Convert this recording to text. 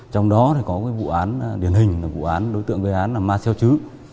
trong đó có vụ án điển hình vụ án đối tượng gây án là ma xeo chứ